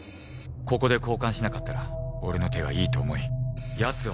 ここで交換しなかったら俺の手がいいと思いやつは降りてしまう